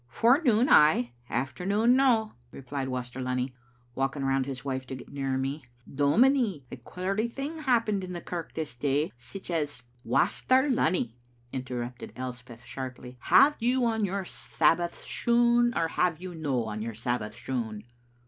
"Forenoon, ay; afternoon, no," replied Waster Lunny, walking round his wife to get nearer me. "Dominie, a queery thing happened in the kirk this day, sic as "" Waster Lunny," interrupted Elspeth sharply ;" have you on your Sabbath shoon or have you no on your Sabbath shoon?"